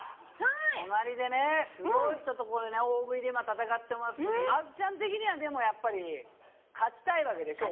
隣でねすごい人と大食いで今戦ってますけどあずちゃん的にはでもやっぱり勝ちたいわけでしょ？